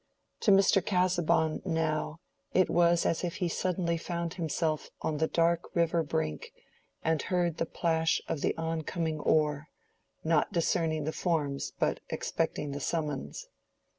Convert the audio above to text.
To Mr. Casaubon now, it was as if he suddenly found himself on the dark river brink and heard the plash of the oncoming oar, not discerning the forms, but expecting the summons.